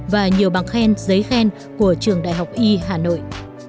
và nhiều bằng khen giấy khen của trường đại học y hà nội